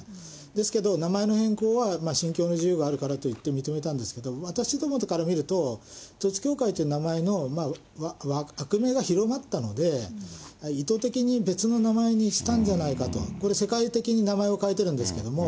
ですけれども、名前の変更は信教の自由があるからといって認めたんですけど、私どもから見ると、統一教会という名前の悪名が広まったので、意図的に別の名前にしたんじゃないかと、これ世界的に名前を変えてるんですけれども。